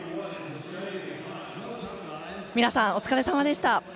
皆さんお疲れ様でした。